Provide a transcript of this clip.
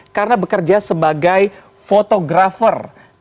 karena bekerja sebagai fotografer